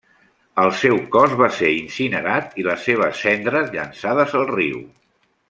El seu cos va ser incinerat i les seves cendres llançades al riu.